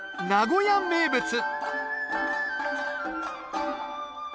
「名古屋名物」